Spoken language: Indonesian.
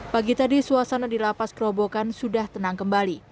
pagi tadi suasana di lapas kerobokan sudah tenang kembali